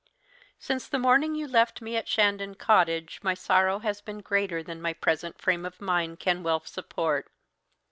"Since the morning you left me at Shandon Cottage my sorrow has been greater than my present frame of mind can well support.